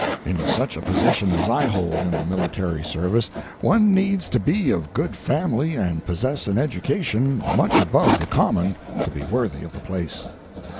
In such a position as I hold in the military service one needs to be of good family and possess an education much above the common to be worthy of the place.